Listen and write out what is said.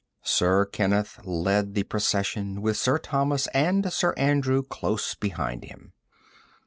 Sir Kenneth led the procession, with Sir Thomas and Sir Andrew close behind him.